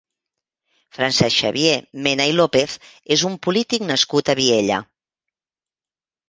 Francesc Xavier Mena i López és un polític nascut a Viella.